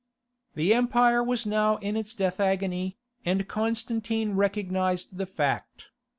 The empire was now in its death agony, and Constantine recognized the fact.